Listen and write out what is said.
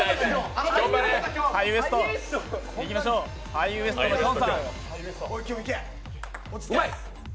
ハイウエストのきょんさん。